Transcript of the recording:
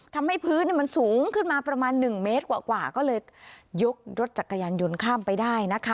ทำให้พื้นมันสูงขึ้นมาประมาณ๑เมตรกว่าก็เลยยกรถจักรยานยนต์ข้ามไปได้นะคะ